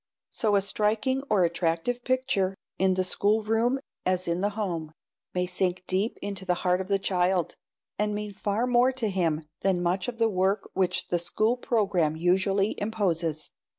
So a striking or attractive picture, in the schoolroom as in the home, may sink deep into the heart of the child, and mean far more to him than much of the work which the school program usually imposes.